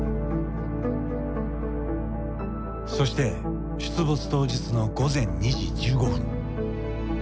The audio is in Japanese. そして出没当日の午前２時１５分。